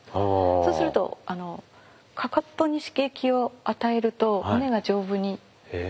そうするとかかとに刺激を与えると骨が丈夫になるそうです。